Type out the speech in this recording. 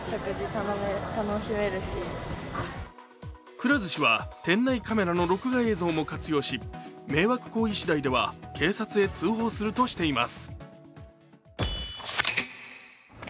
くら寿司は店内カメラの録画映像も活用し迷惑行為しだいでは警察へ通報するとしています。